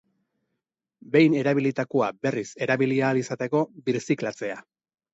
Behin erabilitakoa berriz erabili ahal izateko birziklatzea.